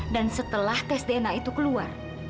dan setelah tes dna itu keluar